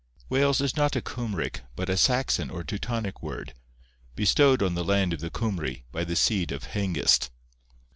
Wales is not a Cymric but a Saxon or Teutonic word, bestowed on the land of the Cymry by the seed of Hengist.